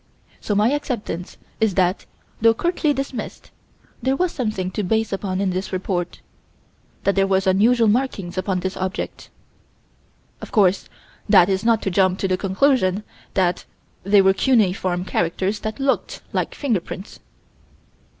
So my acceptance is that, though curtly dismissed, there was something to base upon in this report; that there were unusual markings upon this object. Of course that is not to jump to the conclusion that they were cuneiform characters that looked like finger prints.